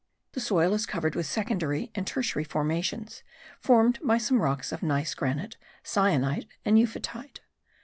The soil is covered with secondary and tertiary formations, formed by some rocks of gneiss granite, syenite and euphotide.